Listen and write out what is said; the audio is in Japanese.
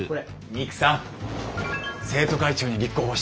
ミクさん生徒会長に立候補したんですね。